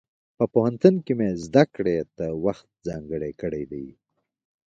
په پوهنتون کې مې زده کړې ته وخت ځانګړی کړی دی.